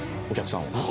お客さんを。